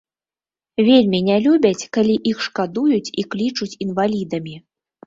Вельмі не любяць, калі іх шкадуюць і клічуць інвалідамі.